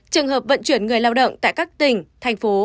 trường hợp vận chuyển người lao động tại các tỉnh thành phố